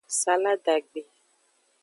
Saladagbe.